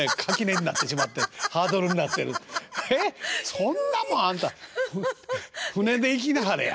そんなもんあんた船で行きなはれや。